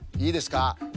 いいですか？